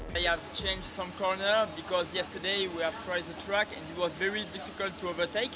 mereka telah mengubah beberapa sudut karena semalam kami mencoba kereta dan sangat susah untuk overtake